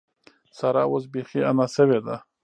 سارا اوس بېخي انا شوې ده.